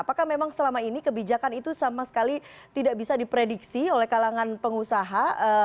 apakah memang selama ini kebijakan itu sama sekali tidak bisa diprediksi oleh kalangan pengusaha